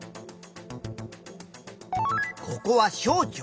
ここは小腸。